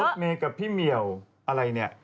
เมย์กับพี่เหมียวอะไรเนี่ย